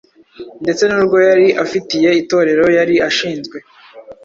ndetse n’urwo yari afitiye Itorero yari ashinzwe,